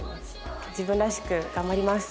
自分らしく頑張ります。